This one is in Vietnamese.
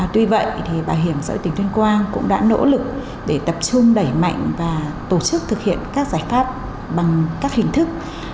tuy vậy bảo hiểm xã hội tỉnh tuyên quang cũng đã nỗ lực để tập trung đẩy mạnh và tổ chức thực hiện các giải pháp bằng các hình thức